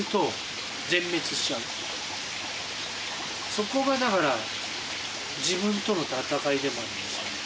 そこがだから自分との闘いでもありますよね。